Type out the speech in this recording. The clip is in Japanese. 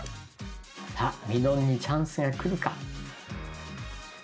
さあみのんにチャンスが来るか。